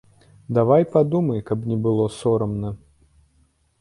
Давай падумай, каб не было сорамна.